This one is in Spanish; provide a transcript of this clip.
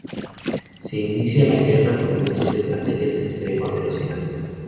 Se inicia la guerra, con múltiples batallas de extrema ferocidad.